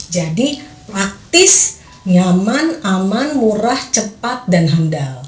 jadi praktis nyaman aman murah cepat dan handal